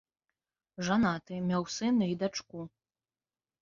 Жанаты, меў сына і дачку.